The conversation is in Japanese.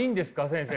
先生。